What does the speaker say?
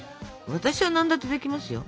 私は何だってできますよ。